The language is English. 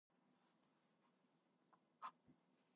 It dates back to the Tang Dynasty of China.